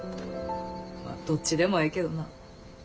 まあどっちでもええけどな。